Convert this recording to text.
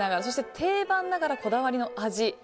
そして、定番ながらこだわりの味。